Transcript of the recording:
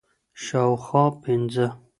شاوخوا پنځه